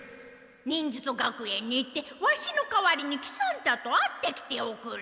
忍術学園に行ってワシの代わりに喜三太と会ってきておくれ。